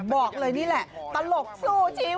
บอกเลยนี่แหละตลกสู้ชิว